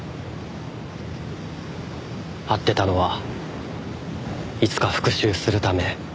会ってたのはいつか復讐するため。